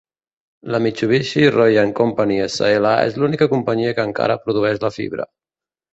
La Mitsubishi Rayon Company, SL, és l'única companyia que encara produeix la fibra.